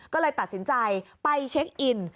ก็เลยตัดสินใจไปเช็คอิน